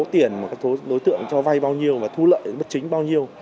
tiền mà các đối tượng cho vay bao nhiêu và thu lợi bất chính bao nhiêu